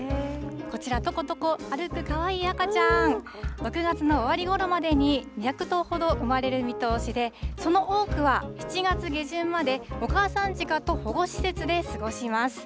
こちら、とことこ歩くかわいい赤ちゃん、６月の終わりごろまでに、２００頭ほど生まれる見通しで、その多くは、７月下旬まで、お母さん鹿と保護施設で過ごします。